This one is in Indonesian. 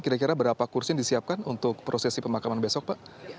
kira kira berapa kursi yang disiapkan untuk prosesi pemakaman besok pak